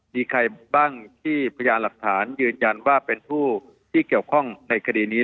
มีใครบ้างที่พยานหลักฐานยืนยันว่าเป็นผู้ที่เกี่ยวข้องในคดีนี้